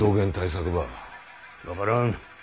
分からん。